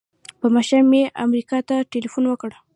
په ماښام مې امریکا ته ټیلفون وکړ.